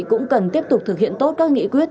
cũng cần tiếp tục thực hiện tốt các nghị quyết